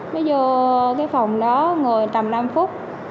bây giờ phòng đó ngồi tầm năm phút